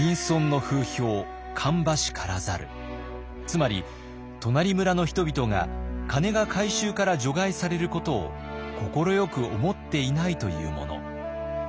つまり「となり村の人々が鐘が回収から除外されることを快く思っていない」というもの。